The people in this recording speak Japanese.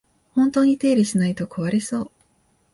本当に手入れしないと壊れそう